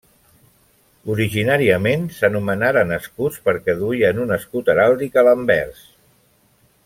Originàriament s'anomenaren escuts perquè duien un escut heràldic a l'anvers.